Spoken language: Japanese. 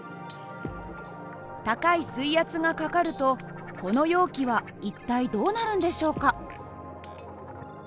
高い水圧がかかるとこの容器は一体どうなるんでしょうか。